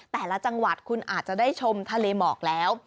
แต่ละจังหวัดคุณอาจจะได้ชมทะเลหมอกแล้ว